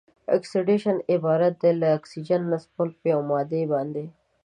اکسیدیشن عبارت دی له د اکسیجن نصبول په یوې مادې باندې.